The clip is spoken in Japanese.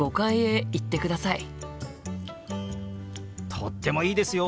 とってもいいですよ！